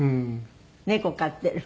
猫飼ってる？